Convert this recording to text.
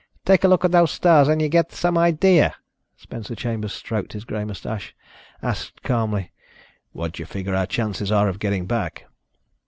Take a look at those stars and you get some idea." Spencer Chambers stroked his gray mustache, asked calmly: "What do you figure our chances are of getting back?"